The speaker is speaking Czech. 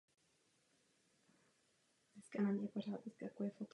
V létě jsou také k dispozici klasické tenisové kurty.